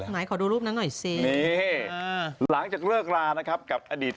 หลังจากเลิกลานะครับกับอดีต